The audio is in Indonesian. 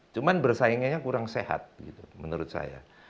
cuma bersaingannya kurang sehat menurut saya